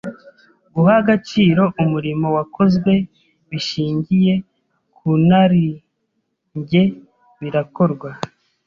Guha agaciro umurimo wakozwe bishingiye ku narijye birakorwa.